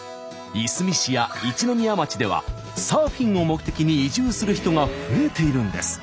いすみ市や一宮町ではサーフィンを目的に移住する人が増えているんです。